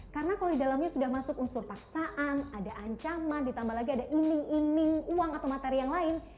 karena kalau di dalamnya sudah masuk unsur paksaan ada ancaman ditambah lagi ada ini ini uang atau materi yang lain